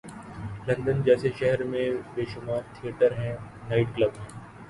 London جیسے شہرمیں بیشمار تھیٹر ہیں‘نائٹ کلب ہیں۔